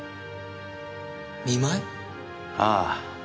ああ。